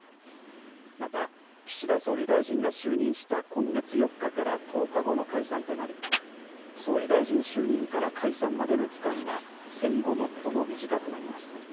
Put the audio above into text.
また、岸田総理大臣が就任した今月４日から１０日後の解散となり、総理大臣就任から解散までの期間は、戦後最も短くなります。